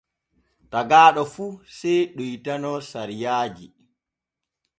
Tagaaɗo fu sey ɗoytano sariyaaji.